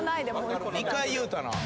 ２回言うたな。